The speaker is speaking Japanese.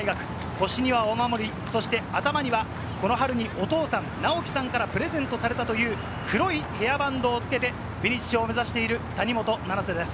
腰にはお守り、そして頭にはこの春にお父さん、なおきさんからプレゼントされたという黒いヘアバンドをつけてフィニッシュを目指している谷本七星です。